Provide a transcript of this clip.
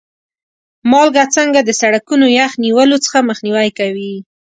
مالګه څنګه د سړکونو یخ نیولو څخه مخنیوی کوي؟